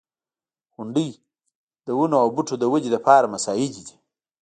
• غونډۍ د ونو او بوټو د ودې لپاره مساعدې دي.